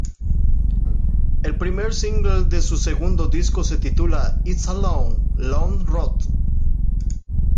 El primer single de su segundo disco se titula "It´s a long, long road".